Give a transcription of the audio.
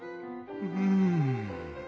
うん。